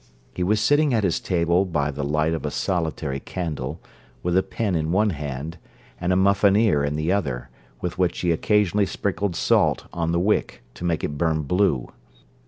He was sitting at his table by the light of a solitary candle, with a pen in one hand, and a muffineer in the other, with which he occasionally sprinkled salt on the wick, to make it burn blue.